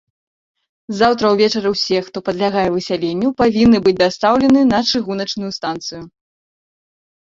Заўтра ўвечары ўсе, хто падлягае высяленню, павінны быць дастаўлены на чыгуначную станцыю.